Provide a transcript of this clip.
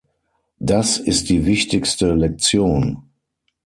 Das ist die wichtigste Lektion.